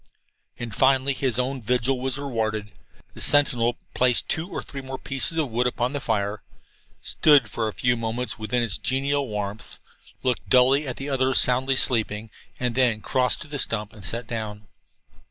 And finally his own vigil was rewarded. The sentinel placed two or three more pieces of wood upon the fire, stood for a few moments within its genial warmth, looked dully at the others so soundly sleeping, and then crossed to the stump and sat down.